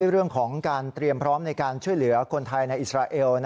เรื่องของการเตรียมพร้อมในการช่วยเหลือคนไทยในอิสราเอล